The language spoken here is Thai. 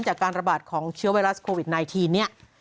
จากการระบาดของเชื้อไวรัสโควิด๑๙เนี่ย